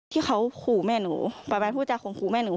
ที่เขาขู่แม่หนูประมาณผู้จาข่มขู่แม่หนู